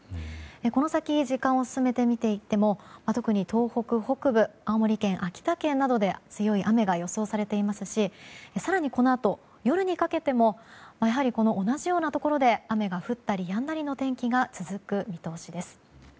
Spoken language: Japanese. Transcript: この先、時間を進めて見ていっても特に東北北部、青森県秋田県などで強い雨が予想されていますし更にこのあと、夜にかけてもやはり同じようなところで雨が降ったりやんだりの天気が続く見通しです。